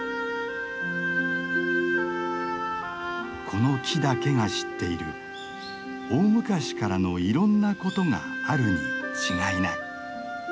この木だけが知っている大昔からのいろんなことがあるに違いない。